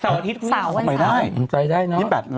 เสาร์อาทิตย์ค่ะไม่ได้วันเสาร์วันเสาร์อาวุธใจได้เนอะ